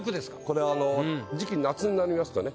これ夏になりますとね